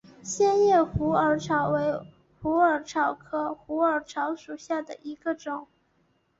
线叶虎耳草为虎耳草科虎耳草属下的一个种。